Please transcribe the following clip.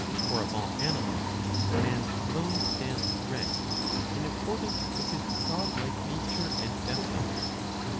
For of all animals man alone stands erect, in accordance with his god like nature and essence.